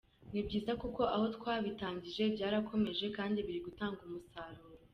Ni byiza kuko aho twabitangije byarakomeje kandi biri gutanga umusaruro.